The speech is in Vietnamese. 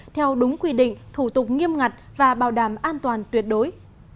theo đúng quy định thủ tục nghiêm ngặt và bảo đảm an toàn tuyệt đối